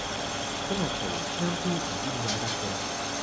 真係奇，啱先唔知點解得嘅